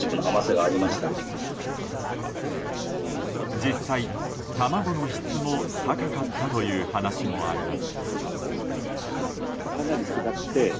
実際、卵の質も高かったという話もあります。